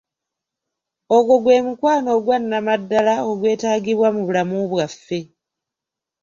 Ogwo gwe mukwano ogwa Nnamaddala ogwetaagibwa mu bulamu bwaffe.